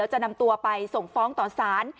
จะนำตัวไปส่งฟ้องต่อสาร